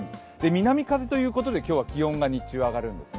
南風ということで今日は気温が日中、上がるんですね。